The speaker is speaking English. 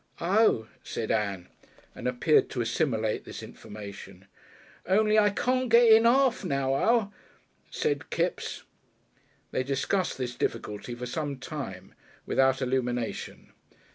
"Oh!" said Ann, and appeared to assimilate this information. "Only I can't get it in 'arf nohow," said Kipps. They discussed this difficulty for some time without illumination.